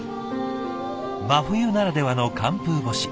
真冬ならではの寒風干し。